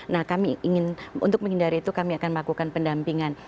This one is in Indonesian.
nah kami ingin untuk menghindari itu kami akan melakukan pendampingan